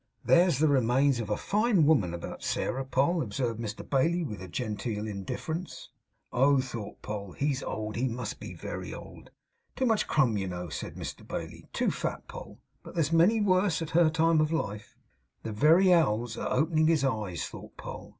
'There's the remains of a fine woman about Sairah, Poll,' observed Mr Bailey, with genteel indifference. 'Oh!' thought Poll, 'he's old. He must be very old!' 'Too much crumb, you know,' said Mr Bailey; 'too fat, Poll. But there's many worse at her time of life.' 'The very owl's a opening his eyes!' thought Poll.